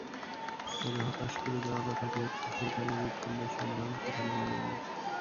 তবে হতাশ করে দেওয়া কথাটি হচ্ছে, সুলতানের হৃৎপিণ্ডের সন্ধান সেখানে মেলেনি।